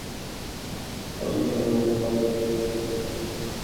গুলশানে Holey Artisan রেস্তোরাঁয় জঙ্গি হামলায় সাত জাপানি বিশেষজ্ঞ প্রাণ হারিয়েছেন।